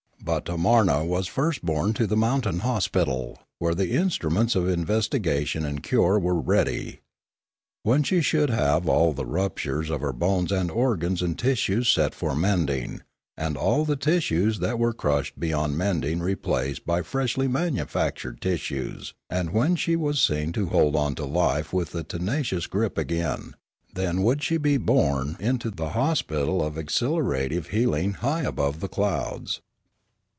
But Tamarna was first borne to the mountain hospital, where the instruments of investigation and cure were ready. When she should have had all the ruptures of her bones and organs and tissues set for mending, and all the tissues that were crushed beyond mending re placed by freshly manufactured tissues, and when she was seen to hold on to life with a tenacious grasp again, then would she be borne into the hospital of accelera tive healing high above the clouds.